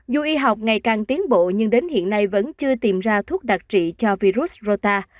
dù y học ngày càng tiến bộ nhưng đến hiện nay vẫn chưa tìm ra thuốc đặc trị cho virus rota